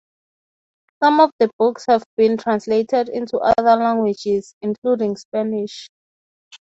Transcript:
Some of the books have been translated into other languages, including Spanish.